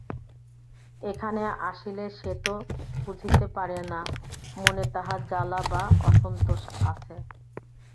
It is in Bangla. এখানে আসিলে সে তো বুঝিতে পারে না মনে তাহার জ্বালা বা অসন্তোষ আছে!